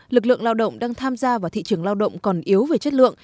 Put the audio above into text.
lực lượng lao động đang tham gia vào thị trường lao động còn yếu về chất lượng